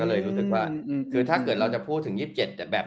ก็เลยรู้สึกว่าคือถ้าเกิดเราจะพูดถึง๒๗แต่แบบ